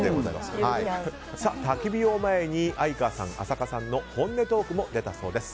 たき火を前に相川さん、浅香さんの本音トークも出たそうです。